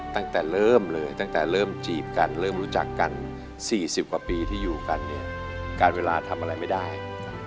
ตั้งแต่เริ่มเลยตั้งแต่เริ่มจีบกันเริ่มรู้จักกัน๔๐กว่าปีที่อยู่กันเนี่ยการเวลาทำอะไรไม่ได้